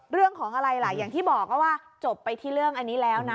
เรื่องของอะไรล่ะอย่างที่บอกว่าจบไปที่เรื่องอันนี้แล้วนะ